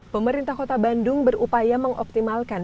pemerintah kota bandung berupaya mengoptimalkan